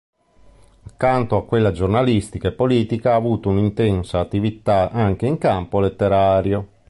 Accanto a quella giornalistica e politica ha avuto un'intensa attività anche in campo letterario.